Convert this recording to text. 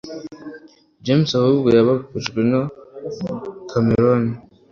James ahubwo yababajwe na Kameron